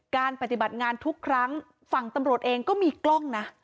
การปฏิบัติงานทุกครั้งฝั่งตำรวจเองก็มีกล้องนะ